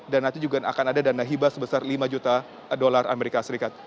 dan nanti juga akan ada dana hibah sebesar rp lima juta amerika serikat